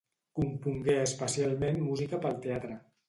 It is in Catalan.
Compongué especialment música pel teatre.